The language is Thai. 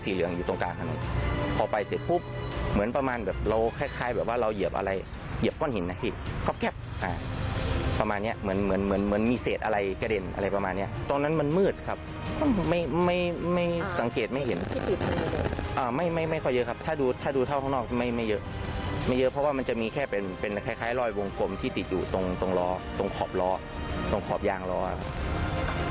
มีความรู้สึกว่ามีความรู้สึกว่ามีความรู้สึกว่ามีความรู้สึกว่ามีความรู้สึกว่ามีความรู้สึกว่ามีความรู้สึกว่ามีความรู้สึกว่ามีความรู้สึกว่ามีความรู้สึกว่ามีความรู้สึกว่ามีความรู้สึกว่ามีความรู้สึกว่ามีความรู้สึกว่ามีความรู้สึกว่ามีความรู้สึกว